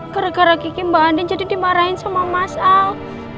gara gara kiki mbak andi jadi dimarahin sama mas al